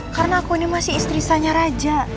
karena aku ini masih istri saya raja